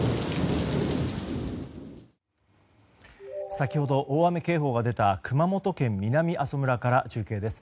先ほど大雨警報が出た熊本県南阿蘇村から中継です。